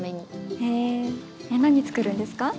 へぇえ何作るんですか？